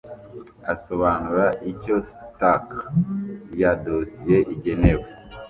asobanura icyo stack ya dosiye igenewe